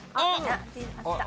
あっ！